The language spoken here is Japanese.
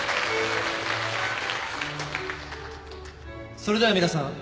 それでは皆さん。